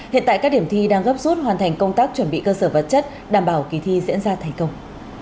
hiện tại các điểm thi đang gấp rút hoàn thành công tác chuẩn bị cơ sở vật chất đảm bảo kỳ thi diễn ra thành công